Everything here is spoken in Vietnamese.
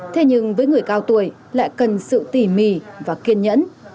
thế nhưng với người cao tuổi lại cần sự tỉ mỉ và kiên nhẫn